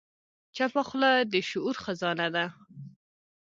چپه خوله، د شعور خزانه ده.